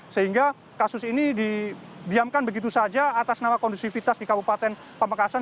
sehingga kasus ini didiamkan begitu saja atas nama kondusivitas di kabupaten pamekasan